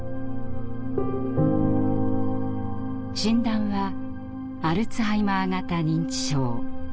診断は「アルツハイマー型認知症」。